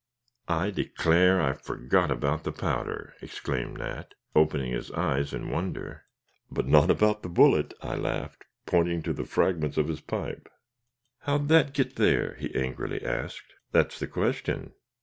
"I declare, I forgot about the powder!" exclaimed Nat, opening his eyes in wonder. "But not about the bullet," I laughed, pointing to the fragments of his pipe. "How'd that get there?" he angrily asked. "That's the question."